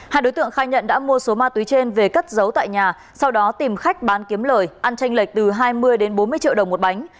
hai đối tượng khai nhận đã mua số ma túy trên về cất giấu tại nhà sau đó tìm khách bán kiếm lời ăn tranh lệch từ hai mươi bốn mươi triệu đồng một bánh